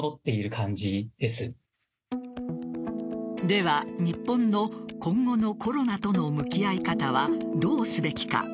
では、日本の今後のコロナとの向き合い方はどうすべきか。